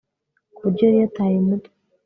kuburyo yari yataye umutwe